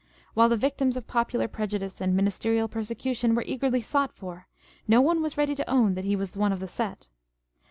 While the victims of popular prejudice and ministerial persecution were eagerly sought for, no one was ready to own that he was one of the set.